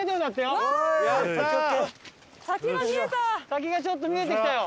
先がちょっと見えてきたよ。